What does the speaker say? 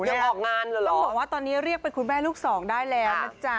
ต้องบอกว่าตอนนี้เรียกเป็นคุณแม่ลูกสองได้แล้วนะจ๊ะ